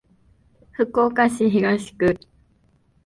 福岡市東区